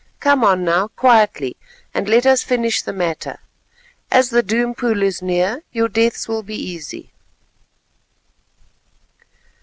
Come on now, quietly, and let us finish the matter. As the Doom Pool is near, your deaths will be easy."